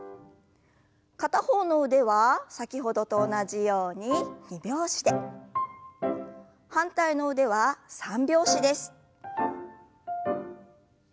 片方の腕は先ほどと同じように二拍子で反対の腕は三拍子です。